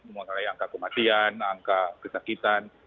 maka yang angka kematian angka kesakitan